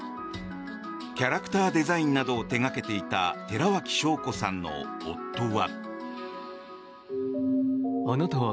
キャラクターデザインなどを手掛けていた寺脇晶子さんの夫は。